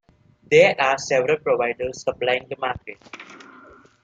There are several providers supplying the market.